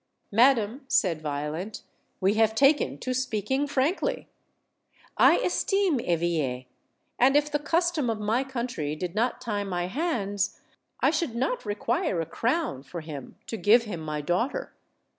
"Madam," said Violent, "we have taken to speaking frankly. I esteem Eveille, and if the custom of my country did not tie my hands, I should not require a crown for him to give him my daughter.